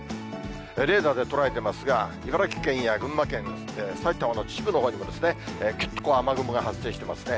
レーダーで捉えてますが、茨城県や群馬県、埼玉の秩父のほうにもぎゅっとこう雨雲が発生していますね。